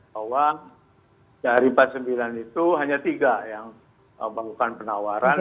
bahwa dari empat puluh sembilan itu hanya tiga yang melakukan penawaran